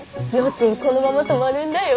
ちんこのまま泊まるんだよ。